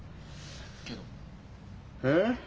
けど？えっ？